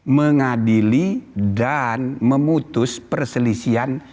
mengadili dan memutus perselisihan